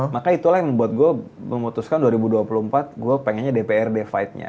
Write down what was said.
maka itulah yang membuat gue memutuskan dua ribu dua puluh empat gue pengennya dprd fight nya